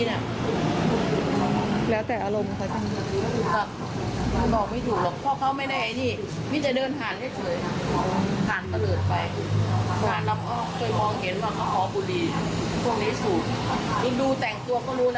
ผ่านแล้วก็เคยมองเห็นว่าเขาขอบุหรี่พวกนี้สูบอีกดูแต่งตัวก็รู้นะ